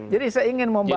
jadi saya ingin membawa